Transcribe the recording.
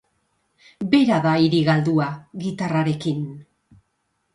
Bera da hiri galdua, gitarrarekin.